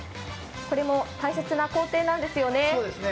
これも大切な工程なんですよね。